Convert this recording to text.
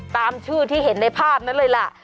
ตามชื่อที่เห็นในภาพนั้นเลยล่ะ